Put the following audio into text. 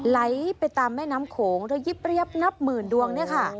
ไหลไปตามแม่น้ำโขงระยิบเรียบนับหมื่นดวงเนี่ยค่ะ